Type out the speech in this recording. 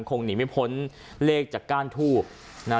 คงหนีไม่พ้นเลขจากก้านทูบนะ